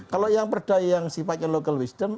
kalau yang perda yang sifatnya local wisdom